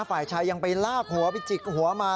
ฝ่ายชายยังไปลากหัวไปจิกหัวมา